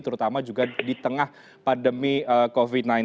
terutama juga di tengah pandemi covid sembilan belas